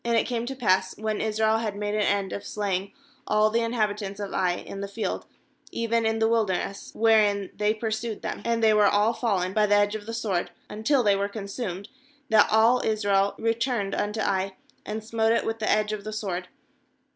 it came to pass, when Israel had made an end of slaying all the inhabitants of Ai in the field, even in the wilderness wherein they pursued them, and they were all fallen by the edge of the sword, until they were con sumed, that all Israel returned unto Ai, and smote it with the edge of the sword.